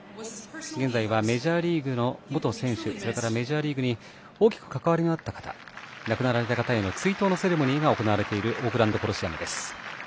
現在はメジャーリーグの元選手それからメジャーリーグに大きく関わりのあった方亡くなられた方への追悼のセレモニーが行われているオークランドコロシアムです。